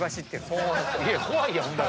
怖いやん。